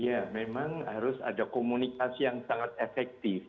ya memang harus ada komunikasi yang sangat efektif